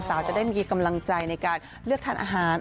จะได้มีกำลังใจในการเลือกทานอาหาร